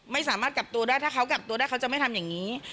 ไม่สามารถกลับตัวได้ถ้าเขากลับตัวได้เขาจะไม่ทำอย่างนี้